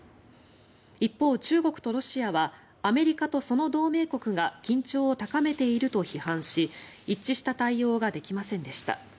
一方、中国とロシアはアメリカとその同盟国が緊張を高めていると批判し一致した対応ができませんでした。